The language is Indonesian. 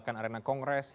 manusia ini sih